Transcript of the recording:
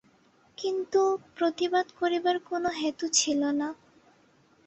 কিন্তু, প্রতিবাদ করিবার কোনো হেতু ছিল না।